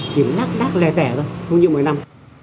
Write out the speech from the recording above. kiếm đác đác lè tẻ thôi không như mấy năm